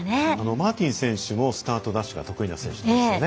マーティン選手もスタートダッシュが得意な選手ですよね。